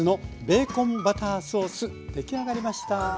出来上がりました。